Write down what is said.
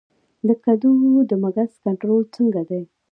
د کدو د مګس کنټرول څنګه دی؟